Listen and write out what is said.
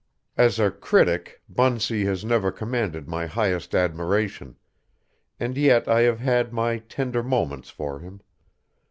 As a critic Bunsey has never commanded my highest admiration, and yet I have had my tender moments for him.